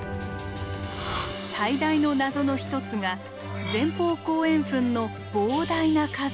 最大の謎の一つが前方後円墳の膨大な数。